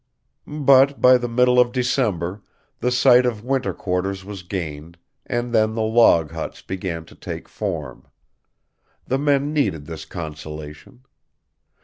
But by the middle of December the site of winter quarters was gained, and then the log huts began to take form. The men needed this consolation.